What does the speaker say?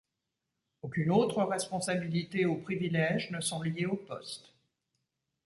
Aucune autre responsabilité ou privilège ne sont liés au poste.